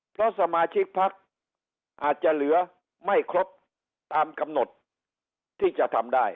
เพราะสมาชิกพักอาจจะเหลือไม่ครบตามกำหนดที่จะทำได้